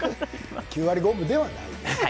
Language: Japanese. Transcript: ９割５分ではないですね。